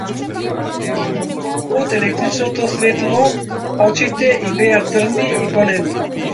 Под електричното светло очите и беа црни и големи.